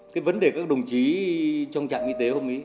cái vấn đề các đồng chí trong trạm y tế không ý